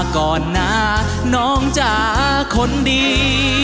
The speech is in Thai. ก่อนหน้าน้องจากคนดี